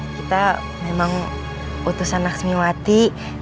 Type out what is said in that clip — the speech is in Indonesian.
kita memang utusan laksmiwati